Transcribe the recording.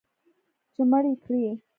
چې مړ یې کړي